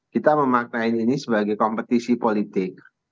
kita memaknai ini sebagai kompetisi politik